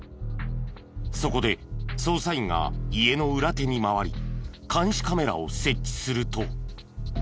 そこで捜査員が家の裏手に回り監視カメラを設置すると。